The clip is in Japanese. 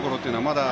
まだ